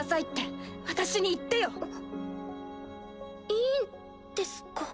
いいんですか？